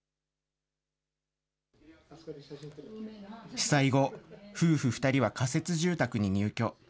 被災後、夫婦２人は仮設住宅に入居。